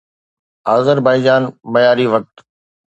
Azerbaijan معياري وقت